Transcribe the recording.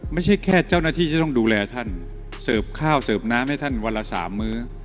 ไม่ใช่แค่เจ้าหน้าที่จะต้องดูแลท่านเสิร์ฟข้าวเสิร์ฟน้ำให้ท่านวันละสามมื้อ